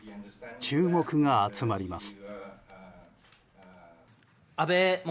注目が集まります。